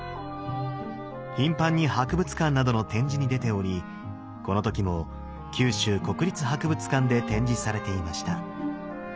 頻繁に博物館などの展示に出ておりこの時も九州国立博物館で展示されていました。